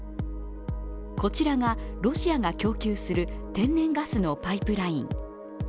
こちらがロシアが供給する天然ガスのパイプライン。